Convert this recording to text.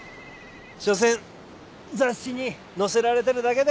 しょせん雑誌に乗せられてるだけで。